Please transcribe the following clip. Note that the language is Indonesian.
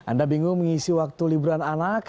anda bingung mengisi waktu liburan anak